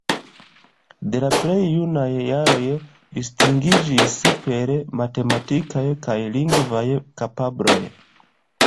De la plej junaj jaroj distingiĝis per matematikaj kaj lingvaj kapabloj.